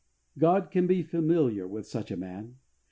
God can be familiar with such a man.